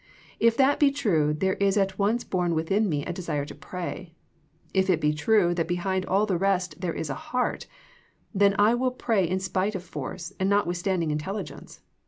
If that be true there is at once born, within me a desire to pray. If it be true that behind all the rest there is a heart, then I will pray in spite of force, and notwithstanding intel ligence.